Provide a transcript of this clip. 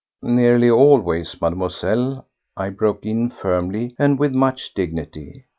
"Nearly always, Mademoiselle," I broke in firmly and with much dignity.